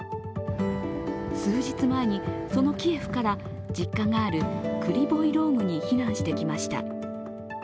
数日前にそのキエフから実家があるクリボイ・ローグに避難してきました。